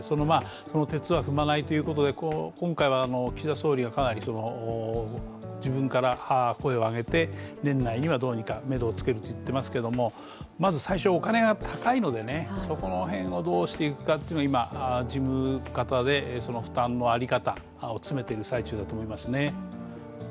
そのてつは踏まないということで今回は、岸田総理がかなり自分から声を上げて年内にはどうにかめどをつけると言っていますけど、まず最初お金が高いので、そこの辺をどうしていくかっていうのを今、事務方でその負担の在り方を詰めている最中だと思いますね。